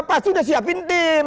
pasti udah siapin tim